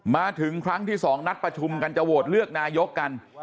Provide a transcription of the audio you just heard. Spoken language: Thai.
มาถึงครั้งที่๒นัดประชุมกันจะโหวตเลือกนายกกัน